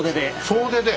総出で。